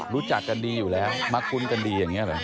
รู้จักกันดีอยู่แล้วมาคุ้นกันดีอย่างนี้เหรอ